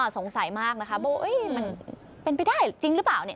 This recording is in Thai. สงสัยมากนะคะมันเป็นไปได้จริงหรือเปล่า